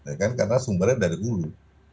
ya kan karena sumbernya dari hulu